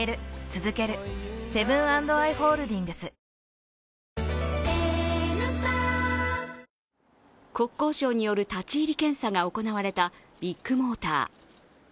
更に国交省による立ち入り検査が行われたビッグモーター。